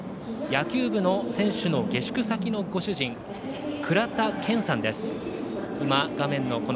野球部の選手の下宿先のご主人くらたけんさんです。